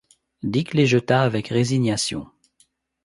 Dick les jeta avec résignation.